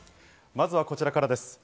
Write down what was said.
まずはこちらからです。